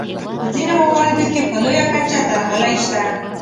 په ځینو مواردو کې په لویه کچه درغلۍ شته.